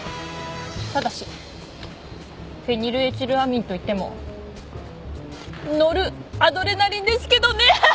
ただしフェニルエチルアミンといってもノルアドレナリンですけどね。